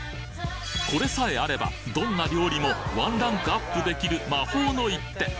これさえあればどんな料理もワンランクアップできる魔法の一手